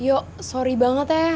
yoh sorry banget ya